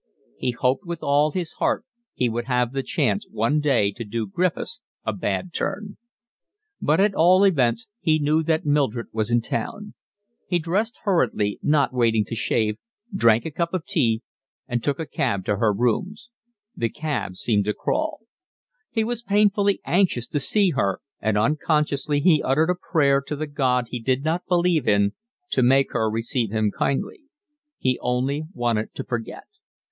He hoped with all his heart he would have the chance one day to do Griffiths a bad turn. But at all events he knew that Mildred was in town. He dressed hurriedly, not waiting to shave, drank a cup of tea, and took a cab to her rooms. The cab seemed to crawl. He was painfully anxious to see her, and unconsciously he uttered a prayer to the God he did not believe in to make her receive him kindly. He only wanted to forget.